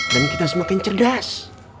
dan kita semakin cerdas